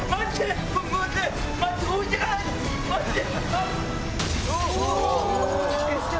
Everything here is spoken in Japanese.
待って！